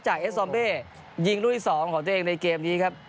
จากเอสซอมบิยิงด้วย๒ของตัวเองในเกมนี้ครับ